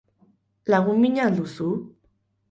Lagun mina al duzu?